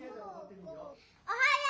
おはよう！